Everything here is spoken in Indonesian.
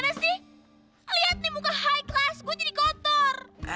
nasi lihat nih muka high class gue jadi kotor